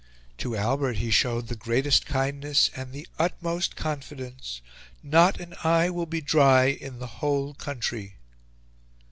To Albert he showed the greatest kindness and the utmost confidence... Not an eye will be dry in the whole country."